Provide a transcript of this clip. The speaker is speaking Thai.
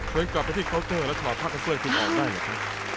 คุณกลับไปที่เคาน์เทอร์และถอดผ้ากระเบื้องคุณออกได้นะคะ